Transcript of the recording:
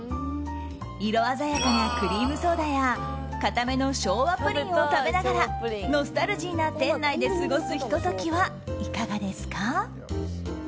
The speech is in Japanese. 色鮮やかなクリームソーダや固めの昭和プリンを食べながらノスタルジーな店内で過ごすひと時はいかがですか？